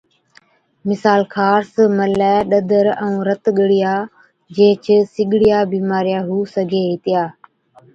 مثال، خارس، ملَي، ڏَدر، ائُون رت ڳڙِيا جھيچ سِڳڙِيا بِيمارِيا هُو سِگھي هِتِيا